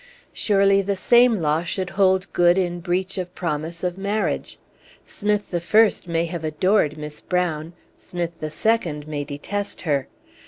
Surely the same law should hold good in breach of promise of marriage. Smith the first may have adored Miss Brown; Smith the second may detest her.